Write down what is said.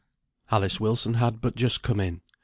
Alice Wilson had but just come in.